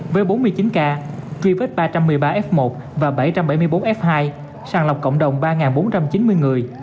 với bốn mươi chín ca truy vết ba trăm một mươi ba f một và bảy trăm bảy mươi bốn f hai sàng lọc cộng đồng ba bốn trăm chín mươi người